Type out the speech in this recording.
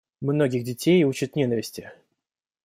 Многих детей учат ненависти.